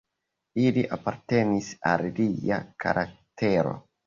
Ili apartenis al lia karaktero.